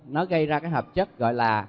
nó gây ra cái hợp chất gọi là